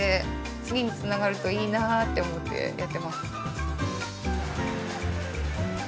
次につながるといいなって思ってやってます。